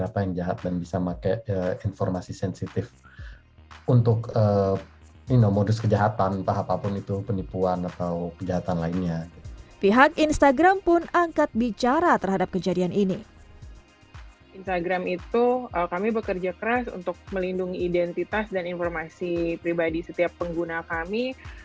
pihak instagram pun angkat bicara terhadap kejadian ini